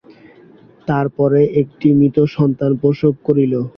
তার পরে একটি মৃত সন্তান প্রসব করিল।